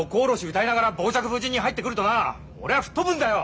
歌いながら傍若無人に入ってくるとな俺は吹っ飛ぶんだよ！